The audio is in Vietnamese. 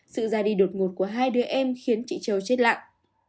sự ra đi đột ngột của hai đứa em khiến chị châu chết lặng